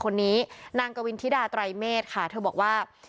คนนี้นางกวินธิดาไตรเมฆค่ะเธอบอกว่า